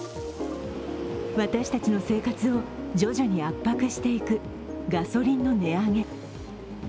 私たちの生活を徐々に圧迫していくガソリンの値上げ。